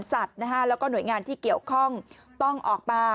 จริงเจริญฤทธิ์สงวนสัตว์แล้วก็หน่วยงานที่เกี่ยวข้องต้องออกมา